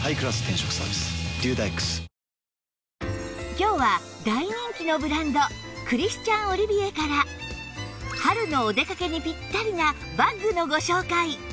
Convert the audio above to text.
今日は大人気のブランドクリスチャン・オリビエから春のお出かけにぴったりなバッグのご紹介